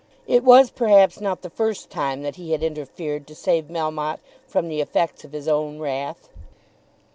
It was perhaps not the first time that he had interfered to save Melmotte from the effects of his own wrath.